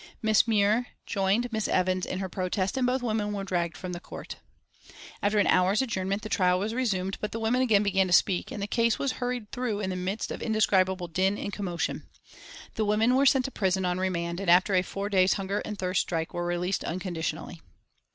Miss Muir joined Miss Evans in her protest and both women were dragged from the court. After an hour's adjournment the trial was resumed, but the women again began to speak, and the case was hurried through in the midst of indescribable din and commotion. The women were sent to prison on remand, and after a four days' hunger and thirst strike were released unconditionally.